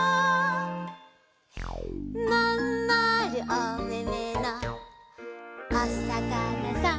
「まんまるおめめのおさかなさん」